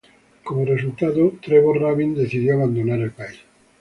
Como resultado, Trevor Rabin decidió abandonar el país.